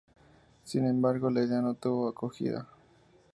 Sin embargo la idea no tuvo acogida.